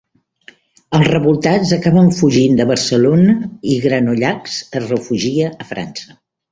Els revoltats acaben fugint de Barcelona i Granollacs es refugia a França.